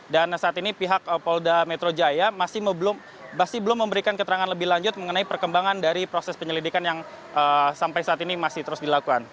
dan saat ini pihak polda metro jaya masih belum memberikan keterangan lebih lanjut mengenai perkembangan dari proses penyelidikan yang sampai saat ini masih terus dilakukan